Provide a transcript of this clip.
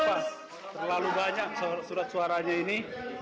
wah terlalu banyak surat suaranya ini